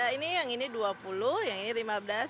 ini yang ini dua puluh yang ini lima belas